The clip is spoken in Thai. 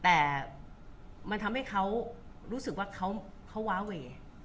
แต่มันทำให้เขารู้สึกว่าเขาวาเวย์